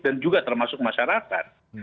dan juga termasuk masyarakat